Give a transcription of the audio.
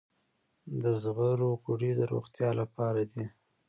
د زغرو غوړي د روغتیا لپاره دي.